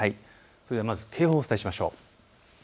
それではまず警報をお伝えしましょう。